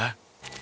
tidak tidak ada